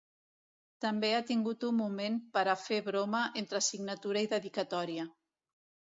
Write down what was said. També ha tingut un moment per a fer broma entre signatura i dedicatòria.